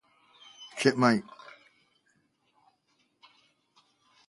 Hunnewell was buried in Mount Auburn Cemetery, Cambridge, Massachusetts, among his family.